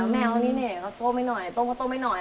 แม่วะนี่เนี่ยเค้าโต้ไหมหน่อย